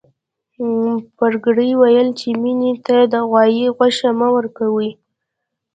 پريګلې ويل چې مينې ته د غوايي غوښه مه ورکوئ